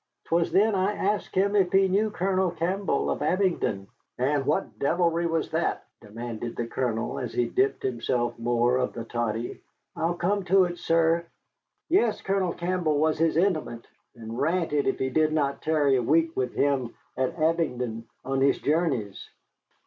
'Twas then I asked him if he knew Colonel Campbell of Abingdon." "And what deviltry was that?" demanded the Colonel, as he dipped himself more of the toddy. "I'll come to it, sir. Yes, Colonel Campbell was his intimate, and ranted if he did not tarry a week with him at Abingdon on his journeys.